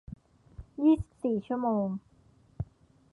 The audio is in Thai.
ยี่สิบสี่ ชั่วโมง